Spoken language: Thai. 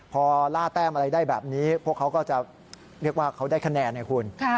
พอล่าแต้มอะไรได้แบบนี้พวกเขาก็จะเรียกว่าเขาได้คะแนนไงคุณ